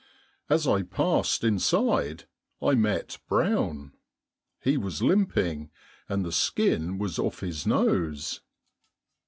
As I passed inside I met Brown. He was limping, and the skin was off his nose."